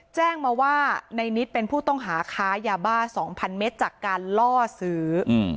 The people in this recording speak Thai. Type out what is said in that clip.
แจ้งมาว่าในนิดเป็นผู้ต้องหาค้ายาบ้า๒๐๐เมตรจากการล่อซื้อ